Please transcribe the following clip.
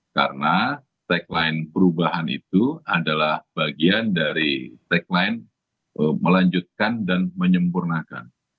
karena tagline perubahan itu adalah bagian dari tagline melanjutkan dan menyempurnakan